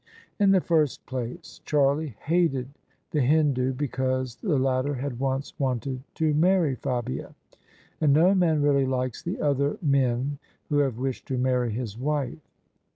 In the first place, Charlie hated the Hindoo because the latter had once wanted to marry Fabia: and no man really likes the other men who have wished to marry his wife.